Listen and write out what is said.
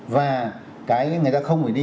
và cái người ta không phải đi